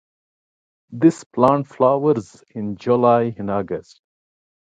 This plant flowers in July and August.